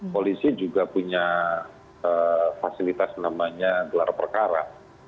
polisi juga punya fasilitas namanya gelar perkara